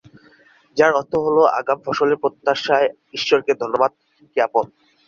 যার অর্থ হল আগাম ফসলের প্রত্যাশায় ঈশ্বরকে ধন্যবাদ জ্ঞাপন।